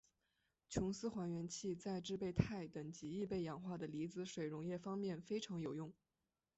琼斯还原器在制备钛等极易被氧化的离子水溶液方面非常有用。